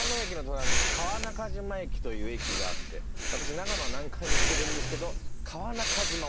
という駅があって私長野は何回も来てるんですけど。